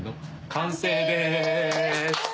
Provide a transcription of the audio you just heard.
完成です！